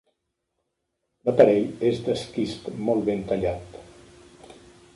L'aparell és d'esquist molt ben tallat.